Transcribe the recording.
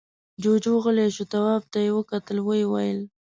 جُوجُو غلی شو، تواب ته يې وکتل، ويې ويل: